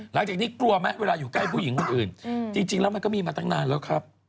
หลังจากนี้กลัวไหมเวลาอยู่ใกล้ผู้หญิงคนอื่นจริงแล้วมันก็มีมาตั้งนานแล้วครับ